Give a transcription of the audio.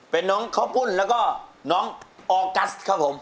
เป็นน้องข้าวปุ้นแล้วก็น้องออกัสครับผม